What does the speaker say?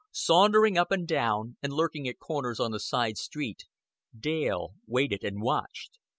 Sauntering up and down, and lurking at corners on the side street, Dale waited and watched.